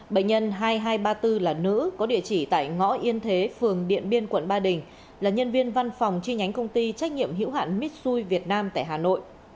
bệnh nhân hai nghìn hai trăm ba mươi bốn là nữ có địa chỉ tại ngõ yên thế phường điện biên quận ba đình là nhân viên văn phòng chi nhánh công ty trách nhiệm hữu hạn mitsui việt nam tại hà nội